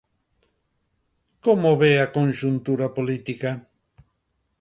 Como ve a conxuntura política?